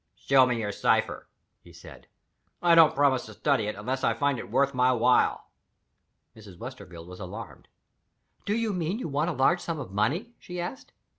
"Show me your cipher," he said; "I don't promise to study it unless I find it worth my while." Mrs. Westerfield was alarmed. "Do you mean that you want a large sum of money?" she asked.